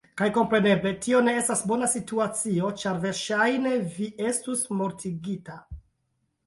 Kaj kompreneble, tio ne estas bona situacio, ĉar verŝajne, vi estus mortigita.